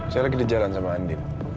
saya lagi di jalan sama andi